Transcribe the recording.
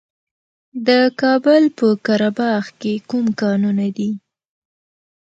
د کابل په قره باغ کې کوم کانونه دي؟